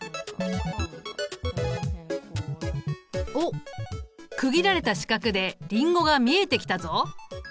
おっ区切られた四角でリンゴが見えてきたぞ。